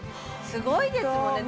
すごいですもんね